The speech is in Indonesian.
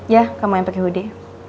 ya kamu yang pakai hoodie